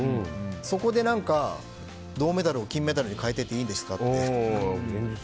そこで、銅メダルを金メダルに変えていいんですかって。